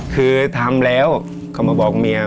คือทำแล้วก็มาบอกเมีย